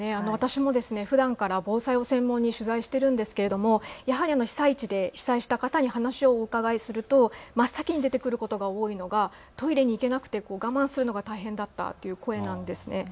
私も、ふだんから防災を専門に取材をしているんですけれどもやはり被災地で被災した方に話を伺うと真っ先に出てくることが多いのがトイレに行けなくて、我慢するのが大変だったという声なんです。